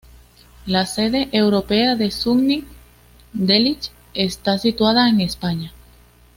La sede europea de Sunny Delight está situada en España.